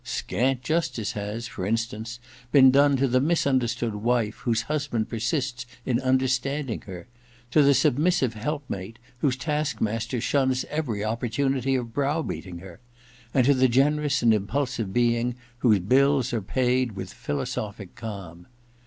Scant justice has, for instance, been done to the misunder stood wife whose husband persists in under standing her ; to the submissive helpmate whose taskmaster shuns every opportunity of brow beating her, and to the generous and impulsive being whose bills are paid with philosophic calm.